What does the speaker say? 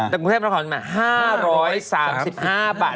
กรุงเทพฯปัชช่องมา๕๓๕บาท